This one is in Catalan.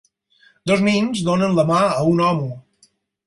Dos nens donen la mà a un home.